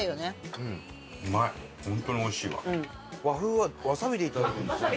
和風はワサビでいただくんですね。